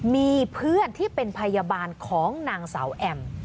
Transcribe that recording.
มีเพื่อนที่เป็นพยาบาลของนางสาวแอม